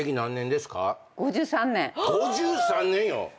５３年よ！